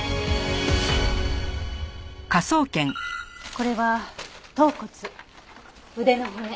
これは橈骨腕の骨。